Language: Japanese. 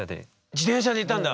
自転車で行ったんだ。